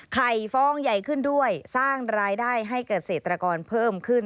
ฟองใหญ่ขึ้นด้วยสร้างรายได้ให้เกษตรกรเพิ่มขึ้น